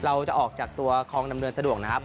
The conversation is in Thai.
เราจะออกจากตัวคลองดำเนินสะดวกนะครับ